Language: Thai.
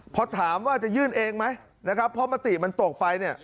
พอถามว่าจะยื่นเองไหมนะครับเพราะมติมันตกไปเนี่ย